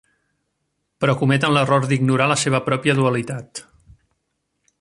Però cometen l'error d'ignorar la seva pròpia dualitat.